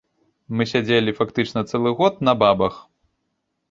Мы сядзелі фактычна цэлы год на бабах.